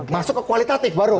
masuk ke kualitatif baru